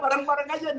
kelama aja ambil cash